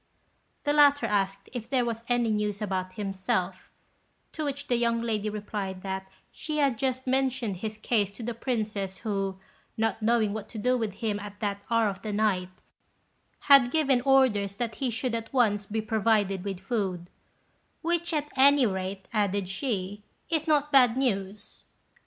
The latter asked if there was any news about himself; to which the young lady replied that she had just mentioned his case to the Princess who, not knowing what to do with him at that hour of the night, had given orders that he should at once be provided with food, "which, at any rate," added she, "is not bad news."